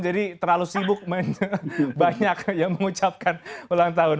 jadi terlalu sibuk banyak mengucapkan ulang tahun